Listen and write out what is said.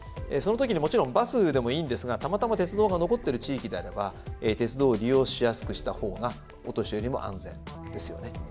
その時にもちろんバスでもいいんですがたまたま鉄道が残ってる地域であれば鉄道を利用しやすくした方がお年寄りも安全ですよね。